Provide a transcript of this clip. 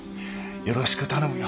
よろしく頼むよ。